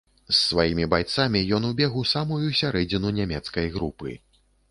З сваімі байцамі ён убег у самую сярэдзіну нямецкай групы.